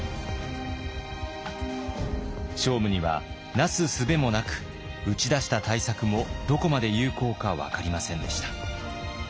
聖武にはなすすべもなく打ち出した対策もどこまで有効か分かりませんでした。